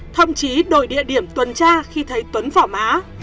thậm chí đổi địa điểm tuần tra khi thấy tuấn phỏ mã